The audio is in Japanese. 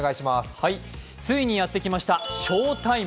ついにやってきました将タイム。